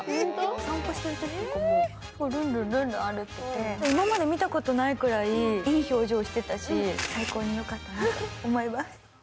散歩してるときもルンルン歩いて今まで見たことないくらいいい表情をしてたし、最高によかったなと思います。